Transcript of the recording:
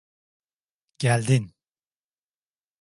Geldin.